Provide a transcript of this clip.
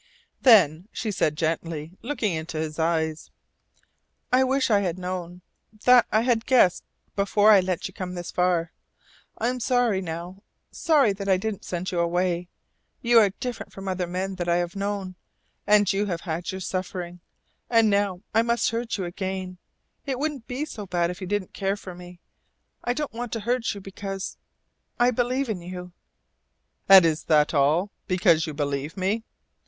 Then she said gently, looking into his eyes: "I wish I had known that I had guessed before I let you come this far. I am sorry now sorry that I didn't send you away. You are different from other men I have known and you have had your suffering. And now I must hurt you again. It wouldn't be so bad if you didn't care for me. I don't want to hurt you because I believe in you." "And is that all because you believe me?"